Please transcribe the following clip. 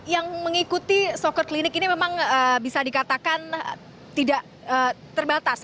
yang mengikuti soccer clinic ini memang bisa dikatakan tidak terbatas